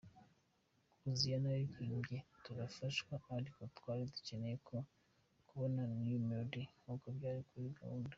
Hoziana yaririmbye turafashwa ariko twari dukeneye no kubona New Melody nkuko byari kuri gahunda.